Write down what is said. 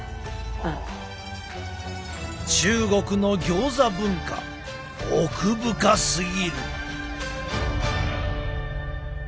中国のギョーザ文化奥深すぎる。